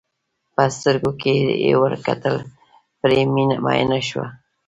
په سترګو کې یې ور کتل پرې مینه شوه.